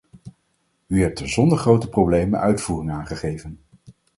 U hebt er zonder grote problemen uitvoering aan gegeven.